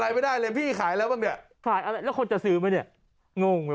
และเวลากลูกที่องค์กดอกที่หายไปเป็นอย่างไรที่ไม่มีคนใกล้